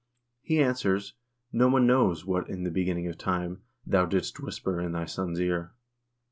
He answers : No one knows What, in the beginning of time, thou didst whisper in thy son's ear.